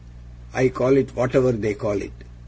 I call it whatever THEY call it.